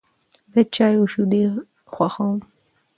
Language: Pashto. زه چای او شیدې خوښوم.